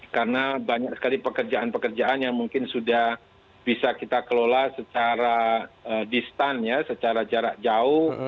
karena banyak sekali pekerjaan pekerjaan yang mungkin sudah bisa kita kelola secara jauh